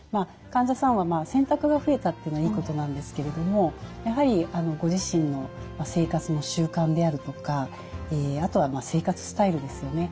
患者さんは選択が増えたっていうのはいいことなんですけれどもやはりご自身の生活の習慣であるとかあとは生活スタイルですよね。